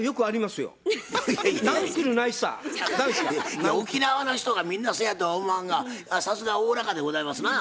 いや沖縄の人がみんなそやとは思わんがさすがおおらかでございますなぁ。